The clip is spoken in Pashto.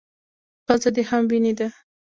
_پزه دې هم وينې ده.